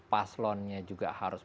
paslonnya juga harus